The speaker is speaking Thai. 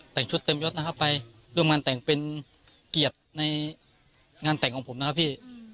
แต่งชุดเต็มยดนะครับไปร่วมงานแต่งเป็นเกียรติในงานแต่งของผมนะครับพี่